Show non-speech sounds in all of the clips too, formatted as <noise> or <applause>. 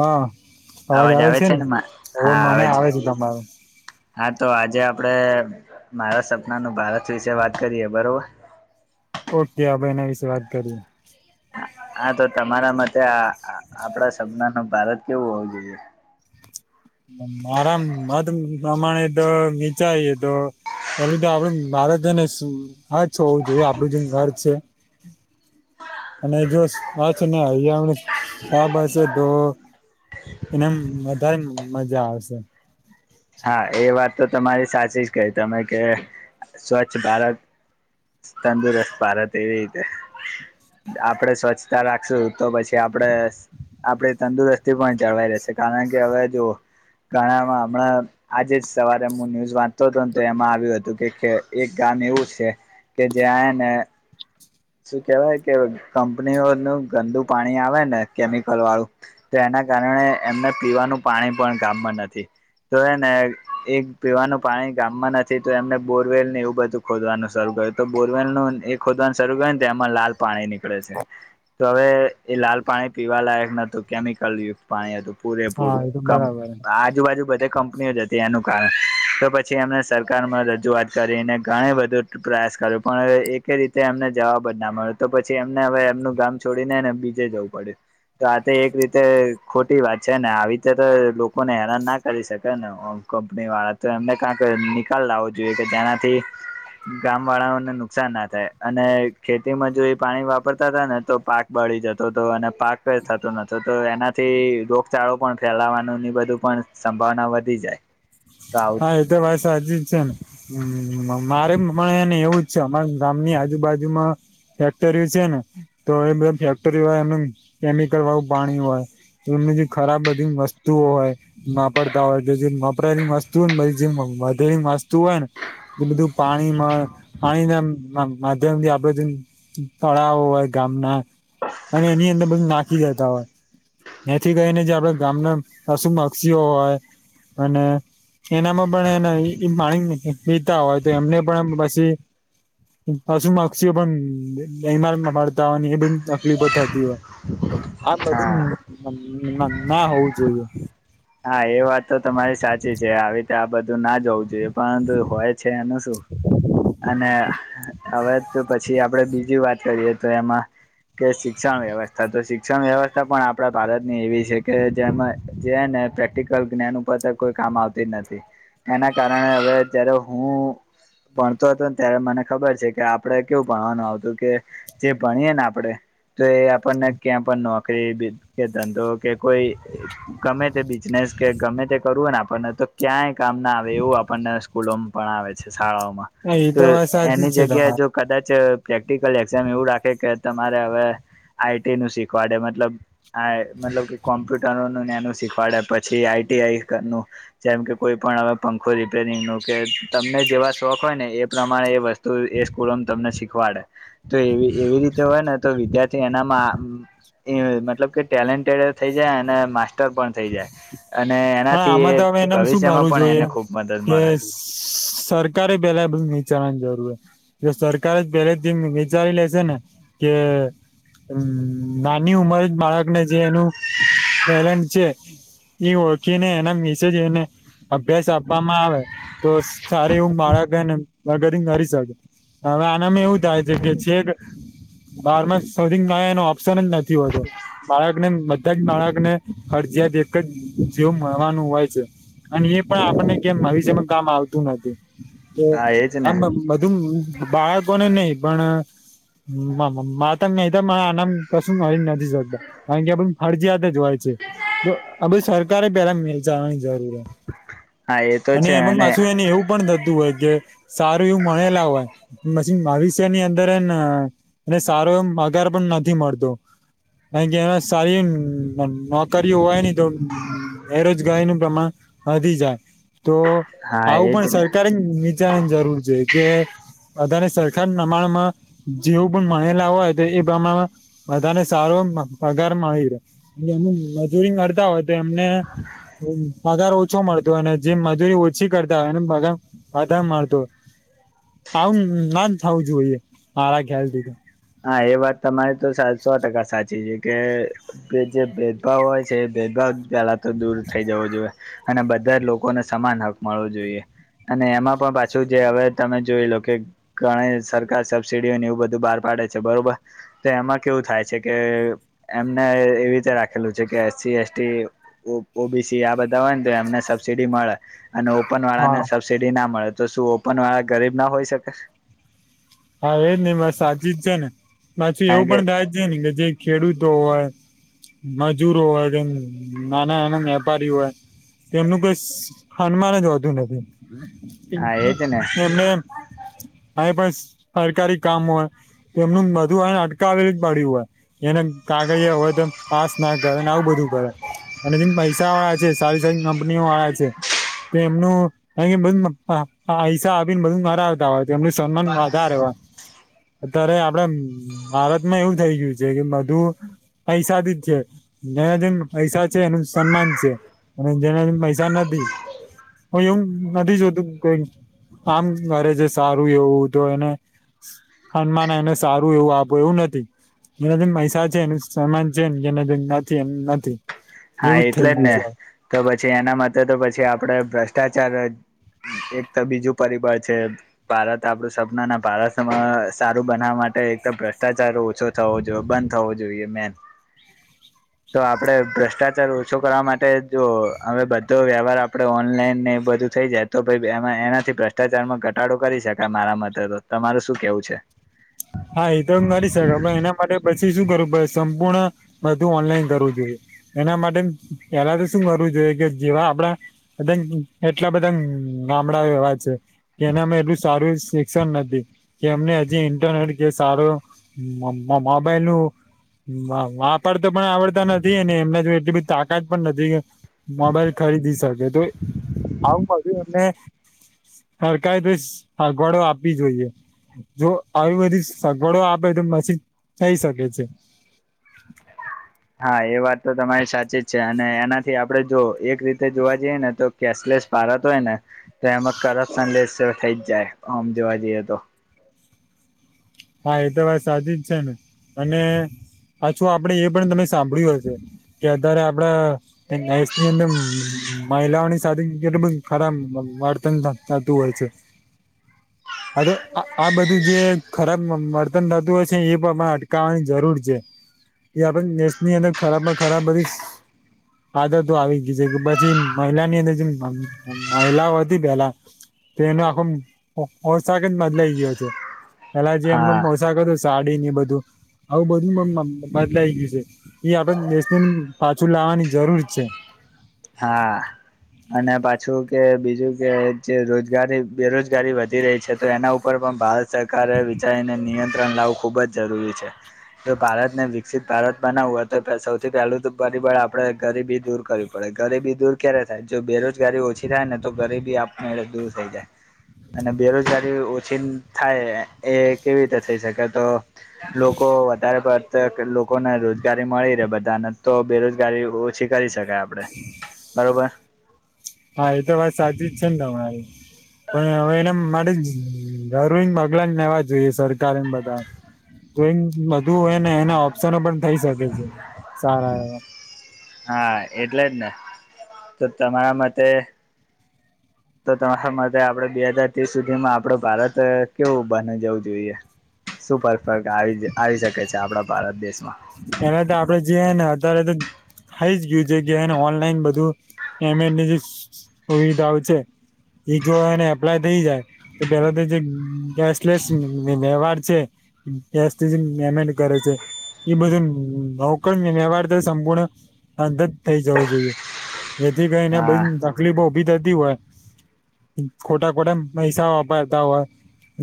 હા અવાજ આવે છે ને, અવાજ હા મને આવે છે. તમારો હા તો આજે આપડે મારા સપનાનું ભારત વિશે વાત કરીએ બરોબર. ઓકે આ ભાઈના વિશે વાત કરીએ. હા તો તમારા મતે આ આપડા સપના ન ભારત કેવું હોવું જોઈએ? મારા મત પ્રમાણે તો નીચાઈ તો એલુંધ આપડું મારે ને હ હોવું જોઈએ આપડું જેમ ઘર છે. અને જો આ છે ને અહીયા આાબ છે તો એનેમ વધારે મજા આવશે. હા એ વાત તો તમારી સાચી જ કઈ તમે કે, સ્વચ્છ ભારત તંદુરસ્ત ભારત એવી રીતે. આપણે સ્વચ્છતા રાખશું તો પછી આપડે આપણે તંદુરસ્તી પણ જળવાઈ રહેેશે કારણ કે હવે જો, ઘણામાં હમણાં આજે જ સવારે હું ન્યૂઝ વાંચતો હતો ને તો એમાં આવ્યું હતું કે એક ગામ એવું છે. કે જે શું કેવાય કે કંપનીઓ નું ગંદુ પાણી આવે ને કેમિકલ વાળું. તો એના કારણે એમને પીવાનું પાણી પણ ગામમાં નથી. તો એ ને એક પીવાનું પાણી ગામમાં નથી તો એમને બોરવેલ ને એવું બધું. ખોદવાનું સર્વ કર્યું તો બોરવેલ નું એ ખોદવાનું શરૂ કર ને તો એમાં લાલ પાણી નીકળે છે, તો હવે એ લાલ પાણી પીવા લયક નતું. કેમિકલ યુ પાણી હતું હા પૂરેપૂરું એ તો ક બરાબર આજુબાજુ બધે ક એનું કારણ તો પછી એમને સરકારમાં રજૂઆત કરીને ઘણી બધું પ્રયાસ કર્યો પણ એક રીતે એમને જવાબ જ ના મળે તો પછી એમને હવે એમનું ગામ છોડીને ને બીજે જવું પડ્યું. તો આ તો એક રીતે ખોટી વાત છે ને આવી રીતે તો લોકોને હેરાન ના કરી શકે નેમ. કંપની વાળા તો એમને ક નિકાલ લાવવો જોઈએ કે જેનાથી. ગામ વાળાઓને નુકસાન ના થાય. અને ખેતીમાં જો એ પાણી વાપરતા હતા ને તો પાક બળી જતો હતો અને પાક થતો નથીતો. તો એનાથી રોગચાળો પણ ફેલાવાનું ની બધું પણ સંભાવના વધી જાય. તો આવું હા એ તો ભાઈ સાજી જ છે ને. હ મારે મ એને એવું જ છે અમારા ગામની આજુબાજુમાં. ફેક્ટરી છે ને તો એ બધ ફેક્ટરી હોય એનું કેમિકલ વાયું પાણી હોય. એમની જે ખરાબ બધી વસ્તુઓ હોય વાપરતા હોય તો જે વપરાયેલી વસ તું મે જેમમ મધેલી વસ્તુ હોય ન જે બધું પાણીમાં પાણી ના મા માધ્યમ થી આપડ જે તળાવ હોય ગામના અને એની અંદર બધુ નાખી જતા હોય. જેથી કરીને જે આપડે ગામના પશુ મક્ષીઓ હોય અને એનામાં પણ એને ઈમ પાણી પીતા હોય તો એમને પણ પછી પશુ મક્ષીઓ પણ એમાર મળતા હોય એ બ તકલીફો થતી હોય આ બધું ન હા ન ના હોવું જોઈએ. હા એ વાત તો તમારી સાચી છે આવી ત આ બધું ના જવું જોઈએ પણંતુ હોય છે એનું શું. અને હવે પછી આપડે બીજી વાત કરીએ તો એમાં કે શિક્ષણ વ્યવસ્થા તો શિક્ષણ વ્યવસ્થા પણ આપણા ભારત ની એવી છે કે જેમાં જેને પ્રેક્ટિકલ જ્ઞાન ઉપર કોઈ કામ આવતી નથી એના કારણે હવે જ્યારે હું ભણતો હતો ન ત્યારે મને ખબર છે કે આપણે કેવું ભણવાનું આવતું કે જે ભણીએે ન આપડે તો એ આપણને ક્યાં પણ નોકરીદે કે ધંધો કે કોઈ ગમે તે બીજ ઝનેસ કે ગમે તે કરવું હોય ને આપણને તો ક્યાંય કામ ના આવે એવું આપણને સ્કૂલોમ ભણાવે છે શાળાઓમાં. એ તો વાત સાચી જ એની છે જગ્યા તમારી જો કદાચ પ્રેક્ટિકલ એક્ઝામ એવું રાખે કે તમારે હવે આઈટી નું શીખવાડે મતલબ આએ મતલબ કે કોમ્પ્યુટરોનું ને એનું શીખવાડે પછી આઈટીઆઈ કરનું જેમ કે કોઈ પણ હવે પંખો રીપેરિંગ નો કે તમને જેવા શોખ હોય ને એ પ્રમાણે એ વસ તો એ સ્કૂલો તમને શીખવાડે તો એવી એવી રીતે હોય ને તો વિદ્યાર્થી એનામાં એ મતલબ કે ટેલેન્ટેડે થઈ જાય અને માસ્ટર પણ થઇ જાય. અને હા એનાથી એ આમાં તો હવે એનેમ શું ભવિષ્યમાં કરું પણ જોઈએ એને ખૂબ મદદ કે મળે સરકારે પેલા બધું નીચાવાની જરૂર હ જો સરકારે જ પેલે ધીમ વિચારી લે છે ને કે હમ નાની ઉંમર જ બાળક ને જે એનું એલેન્ટ છે એ ઓ ખીને એના વિશે જ એને અભ્યાસ આપવામાં આવે. તો સારે એવું માળક હેને વગરિંગ કરી શકે હવે આનામાં એવું થાય છે કે છેક બારમાં સુઢીન ગયાનું અપ પ્શન જ નથી હોતું બાળક ને બધા જ બાળકને ફરજીયાત એક જ જેવું મળવાનું હોય છે અને એ પણ આપણને કેમ ભવિષ્યમા કામ આવતું નથી તો હા એજ ને અમબબુ બધું બાળકોને નહિ પણ મા મા માતા મેડમ આનામ કશું મરી નથી શકતા કારણ કે આપ ફરજીયાત જ હોય છે જો આ બ સર વિચારવાની જરૂર હ હા એ તો અને છે એમાં પાછું એને એવું પણ થતું હોય કે સારું એવું મળેલા હોય મછી ભવિષ્યની અંદર એ એને સારો એ પગાર પણ નથી મળતો કાનકે એમાં સારી નોકરી હોય નહ તો બેરોજગારી નું પ્રમાણ વધી જાય તો હા આવું એજ પણ ને સરકાર જ નીચાની જરૂર છે કે વધારે સરખા નમાણ માં જેવું પણ માનેલા હોય તો એ પ્રમાણ માં બધાને સારો પગાર મળી રહે એમ મજૂરી કરતા હોય તો તેમને પગાર ઓછો મળતો હોય અને જે મજૂરી ઓછી કરતા હોય એને પગાર વધારે મળતો આવું ન થવું જોઈએ મારા ખ્યાલ થી તો હા એ વાત તમારી તો સો ટકા સાચી છે કે કે જે ભેદભાવ હોય છે એ ભેદભાવ પેલા તો દૂર થઇ જવો જોઈએ. અને બધા જ લોકોને સમાન હક મળવો જોઈએ. અને એમાં પણ પાછું જે હવે તમે જોઈ લો કે ઘણી સરકાર સબસીડીઓ ને એવું બધું બહાર પાડે છે બરોબર. તો એમાં કેવું થાય છે કે એમને એવી રીતે રાખેલું છે કે એસસી, એસટી ઓ ઓબીસી આ બધા હોય ને તો એમને સબસીડી મળે. અને ઓપન વાળા હા ને સબસિડી ના મળે તો શું ઓપન વાળા ગરીબ ના હોઈ શકે? હા એજ નઈ વાત સાચી જ છે ને પાછી કારણ એવું કે પણ થાય છે ને કે જે ખેડૂતો હોય મજૂરો હોય તેમ નાના નાના વેપારીઓ હોય તેમનું ઘર કઈ હનુમાન જ હોતી નથી. હા એજ ને એમને કાય પણ સરકારી કામ હોય. તો એમનું બધું અય અટકાવી જ પડ્યું હોય. એને કાગડીયા હોય તો પાસ ના કરેને આવું બધું. બરા અને જેમ પૈસા વાળા છે સારી સારી કંપનીઓ વાળા છે. તો એમનું અયા બધું પાય પૈસા આપીને મરાવતા હોય એમનું સન્માન વધારે હોય અત્યારે આપડા ભારતમાં એવું થઇ ગયું છે કે બધું પૈસા થી જ છે જેને જેમ પૈસા છે એનું સન્માન છે. અને જેને પૈસા નથી કોઈ એવું નથી જોતું કાઈ કામ કરે છે સારું એવું. તો એને ખનમાન એને સારું એવું આપે એવું નથી. જેને થી પૈસા છે એનું સમાન છે કે જેને જેમ નથી એમ નથી. હા એવું એટલે થઈ જ ગયું ને છે તો પછી એના માટે તો પછી આપડે ભ્રષ્ટાચાર જ એજ તો બીજું પરિબળ છે. ભારત આપડું સપનાને ભારતમાં સારું બનાવા માટે એક તો ભ્રષ્ટાચાર ઓછો થવો જોઈએ બંધ થવો જોઈએ મેન તો આપડે ભર ભ્રષ્ટાચાર ઓછો કરવા માટે જો હવે બધો વ્યવહાર આપડો ઓનલાઈન ને એ બધું થઈ જાય. તો ભઈ એમાં એનાથી ભ્રષ્ટાચારમાં ઘટાડો કરી શકાય મારા મતે તો તમારું શું કેવું છે? હા એ તો નરી સકાય પણ એના માટે પછી શું કરવું પડે સંપૂર્ણ બધું ઓનલાઈન કરવું જોઈએ. એના માટે પેલા તો શું કરવું જોઈએ કે જેવા આપડા બધા ન એટલા બધા ગામડા એવા છે. કે એના મે બી સારું શિક્ષણ નથી કે એમને હજી ઇન્ટરનેલી કે સારો મોબાઈલ નું વાપરતા પણ આવડતા નથી અને એમના જોડે એટલી બધી તાકાત પણ નથી. મોબાઈલ ખરીદી શકે તો આવુ પછી એમને સરકારે તો સગવાડો આપવી જોઈએ જો આવી બધીસ સગવડો આપે તો મશીજ થઇ શકે છે. હા એ વાત તો તમારી સાચી જ છે અને એનાથી આપણેે જો એક રીતે જોવા જઈએ ને તો કેશલેસ ભારત હોય ને તો એમાં કરપ્શન લેસ થઈ જ જાય ઓમ જોવા જઈએ તો. હા એ તો વાત સાચી જ છે ને અને અછવા આપડે એ પણ તમે સાંભળ્યું હશે, કે અતારે આપડા <unintelligible> અંદ અમ્મ મહિલાઓની સાથે કેટલું બધું ખરામ વર્તન થ થતું હોય છે. અર આ-આ બધું જે ખરાબ મમ વર્તન થતું હોય છે એ પણ <unintelligible> અટકાવવાની જરૂર છે. એ આપણે નેશની અંદર ખરાબ માં ખરાબ બધીસ <inaudible> આદતો આવી ગઈ છે, કે પછી મહિલા ની અંદર જે મહિલાઓ હતી પહેલા તો એનો આખો ઓ ઓશાક જ બદલાઈ ગયો છે. પેલા જે એમનું હા પોશાક હતું સાડીને એ બધું આવું બધું મમ બદલાઈ ગયું છે. ઈ આપન નેશન પાછું લાવવાની જરૂર છે. હા. અને પાછું કે બીજું કે જે રોજગારી, બેરોજગારી વધી રહી છે તો એના ઉપર પણ ભાર સરકારે વિચારીને નિયંત્રણ લાવવું ખુબ જ જરૂરી છે. જો ભારતને વિકસિત ભારત બનાવવું હોય તો સૌથી પહેલું તો પરિબળ આપણે ગરીબી દૂર કરવું પડે. ગરીબી દૂર ક્યારે થાય? જો બેરોજગારી ઓછી થાય ને તો ગરીબી આપમેળે દૂર થઈ જાય. અને બેરોજગારી ઓછીન થાય એ કેવી રીતે થઈ શકે? તો લોકો વધારે <unintelligible> <unintelligible> તે લોકોને રોજગારી મળી રહેે બધાને, તો બેરોજગારી ઓછી થઈ શકે એમ. <inaudible> બરોબર? હા ઈ તો વાત સાચી જ છે ને તમારી. પણ હવે એના માટે જરૂરીન પગલા લાવવા જોઈએ સરકાર એ ને બધાએ. તોઈન બધું હોય એને એના ઓપ્શનો પણ થઈ શકે છે સારા એવા. હા એટલે જ ને. તો તમારા મતે તો તમારા મતે આપડે બે હજાર તીસ સુધીમાં આપડું ભારત કેવું બની જવું જોઈએ? શું પરફક આવી-આવી શકે છે આપણા ભારત દેશમાં? એના તો આપડે જે હે ના અતારે તો ખાઈ જ ગયુ છે કે એને ઓનલાઈન બધું પેમેન્ટની સુવિધાઓ છે. ઈ જો એને એપ્લાય થઈ જાય તો પેલા તો જે કેશલેસ વ્યવ વ્યવહાર છે <unintelligible> મહેનત કરે છે. <unintelligible> રોકડ મે વ્યવહાર તો સંપૂર્ણ અંત જ થઈ જવું જોઈએ. જેથી કરીને હા બધી તકલીફો ઉભી થતી હોય ખોટા-ખોટા પૈસા વાપરતા હોય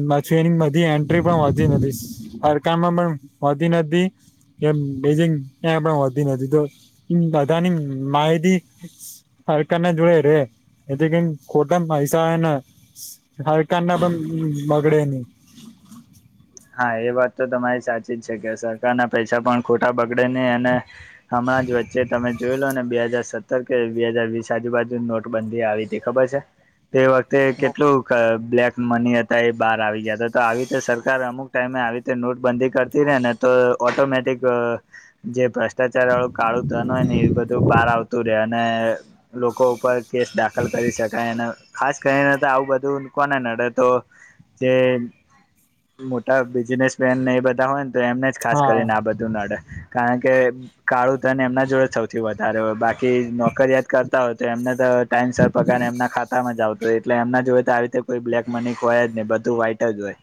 પાછી એની બધી એન્ટ્રી પણ હોતી નથી. સરખામમાં પણ હોતી નથી. એમ બેજિંગ ક્યાં પણ હોતી નથી. તો બધાની માહિતી <unintelligible> જોડે રહે, જેથી કરીન ખોટામ પૈસા એના હરકારના પણ બગડે નહીં. હા એ વાત તો તમારી સાચી જ છે, કે સરકારના પૈસા પણ ખોટા બગડે નહીં. અને હમણાં જ વચ્ચે તમે જોઈ લો ને બે હજાર સત ર કે બે હજર વીસ આજુબાજુ નોટબંધી આવી તી. ખબર છે? તે વખતે કેટલુંક બ્લેક મની હતા એ બહાર આવી ગયા તા. તો આવી રીતે સરકાર અમુક ટાઈમે આવી રીતે નોટબંધી કરતી રહે ને તો ઓટોમેટિક અહ જે ભ્ર ષ્ટાચારવાળું કાળું ધન હોય ને એ બધું બહાર આવતું રહે. અને લોકો ઉપર કેસ દાખલ કરી શકાય. અને ખાસ કરીને તો આવું બધું કોને નડે તો જે બિઝનેસમેનને એ બધા હોયને તો એમને જ ખાસ હા કરીને આ બધું નડે કારણ કે કાળું ધન એમના જોડે સૌથી વધારે હોય બાકી નોકરીયાદ કરતા હોય તો એમને તો ટાઈમ સર પગાર એમના ખાતામાં જ આવતા તો એટલે એમના જોય તો આવી રીતે કોઈ બ્લેક મની કો હોય જ નહીને બધું વ્હાઈટ જ હોય.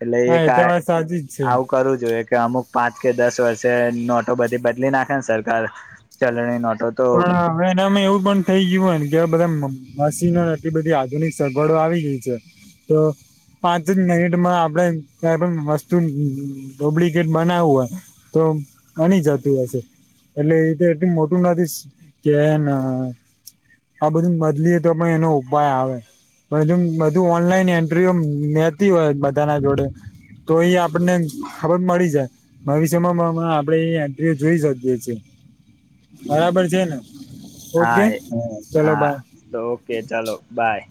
એટલે હા એક એ તો વાત સાચી જ છે આવું. કરવું જોઈએ કે અમુક પાંચ કે દસ વર્ષે નોટો બધી બદલી નાખે ને સરકાર ચલણી નોટો તો બા. હવે એનામાં એવું પણ થઇ ગયું હોય ને કે બધા મશીનને આટલી બધી આધુનિક સગવડો આવી ગઈ છે. તો. પાંચ જ મિનિટમાં આપણે કઈ પણ વસ્તુ ડુપ્લિકેટ બનાવવું હોય. તો આની જતું હશે એટલે એ તો એટલું મોટું નથી. કે ના આ બધું બદલીય તો પણ એનો ઉપાય આવે પ બધું ઓનલાઈન એન્ટર મેતી હોય બધા ના જોડે તો એ આપણને ખબર મળી જાય. ભવિષ્યમાં આપડે યાત્રીઓ જોઈ શકીએ બરાબર છે. હા ઓકે ચલો હા બાય તો ઓકે ચાલો બાય